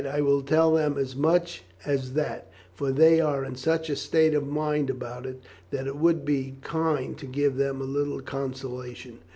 I will tell them as much as that, for they are in such a state of mind about it that it would be kind to give them a little consolation."